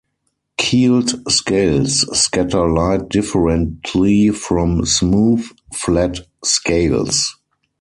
Keeled scales scatter light differently from smooth, flat scales.